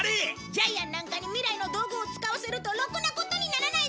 ジャイアンなんかに未来の道具を使わせるとろくなことにならないぞ！